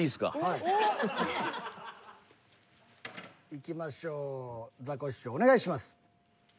いきましょうザコシショウお願いします。